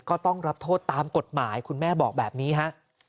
ก็ต้องรับโทษตามกฎหมายคุณแม่บอกแบบนี้ฮะ